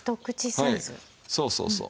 はいそうそうそう。